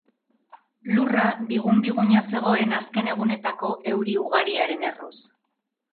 Lurra bigun-biguna zegoen azken egunetako euri ugariaren erruz.